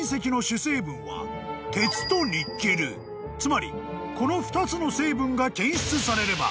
［つまりこの２つの成分が検出されれば］